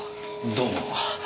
どうも。